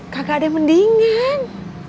kagak ada yang mendingan